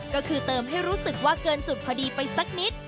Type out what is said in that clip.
ก็คือเติมให้รู้สึกว่าเกินจุดพอดีไปสักนิด